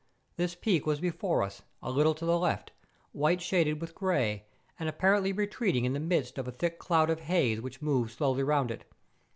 This peak was before us, a little to the left, white shaded with grey, and apparently retreating in the midst of a thick cloud of haze which moved slowly round it.